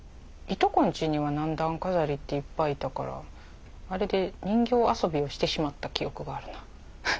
いとこんちには何段飾りっていっぱいいたからあれで人形遊びをしてしまった記憶があるな。